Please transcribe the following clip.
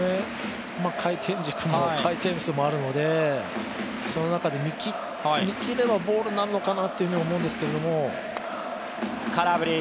回転軸も回転数もあるのでその中で見切ればボールになるのかなと思うんですけれども。